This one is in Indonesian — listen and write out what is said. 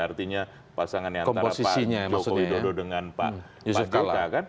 artinya pasangan yang antara pak jokowi dodo dengan pak jokowi